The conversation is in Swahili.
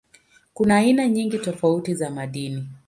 Kuna aina nyingi tofauti za madini.